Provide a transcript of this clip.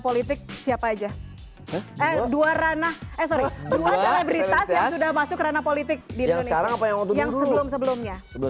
politik siapa aja eh dua ranah eh sorry sudah masuk kerana politik di indonesia yang sebelumnya